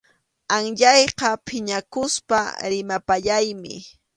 Anyayqa phiñakuspa rimapayaymi.